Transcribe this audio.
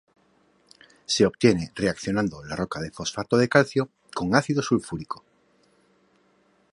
Se obtiene reaccionando la roca de fosfato de calcio con ácido sulfúrico.